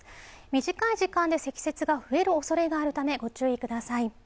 短い時間で積雪が増えるおそれがあるためご注意ください。